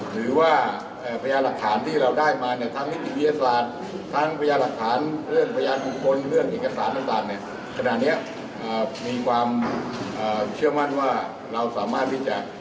ซึ่งดีกว่าเชื่อมั่นงานที่เราสามารถที่จะ